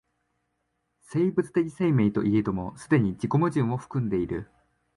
生物的生命といえども既に自己矛盾を含んでいる。